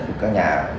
của các nhà